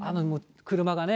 車がね。